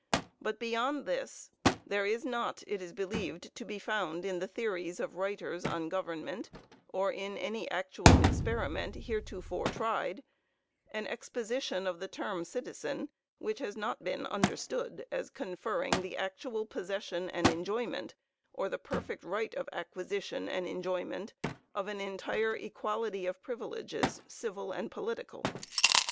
But beyond this, there is not, it is believed, to be found in the theories of writers on government, or in any actual experiment heretofore tried, an exposition of the term citizen, which has not been understood as conferring the actual possession and enjoyment, or the perfect right of acquisition and enjoyment of an entire equality of privileges, civil and political."